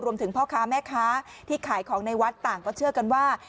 พ่อค้าแม่ค้าที่ขายของในวัดต่างก็เชื่อกันว่า